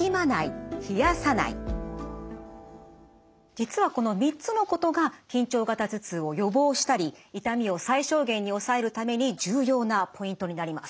実はこの３つのことが緊張型頭痛を予防したり痛みを最小限に抑えるために重要なポイントになります。